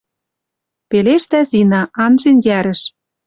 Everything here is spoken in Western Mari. Пелештӓ Зина, анжен йӓрӹш, —